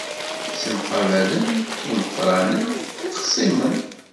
Ssemqabalen yimeqqranen ixṣimen.